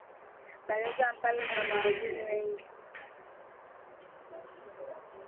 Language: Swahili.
baraza ambalo lina mawaziri waziri wengi